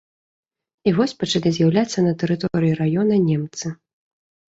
І вось пачалі з'яўляцца на тэрыторыі раёна немцы.